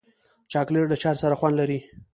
چاکلېټ له چای سره خوند لري.